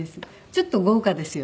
ちょっと豪華ですよね。